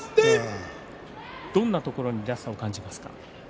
どんなところにらしさを感じますか。